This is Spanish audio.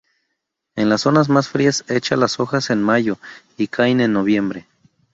En las zonas más frías echa las hojas en mayo y caen en noviembre.